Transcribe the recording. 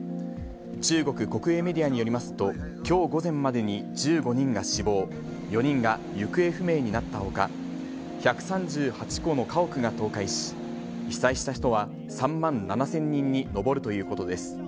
中国国営メディアによりますと、きょう午前までに１５人が死亡、４人が行方不明になったほか、１３８戸の家屋が倒壊し、被災した人は３万７０００人に上るということです。